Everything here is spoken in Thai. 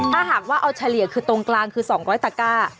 ถ้าหากว่าเอาเฉลี่ยคือตรงกลางคือ๒๐๐ตะก้า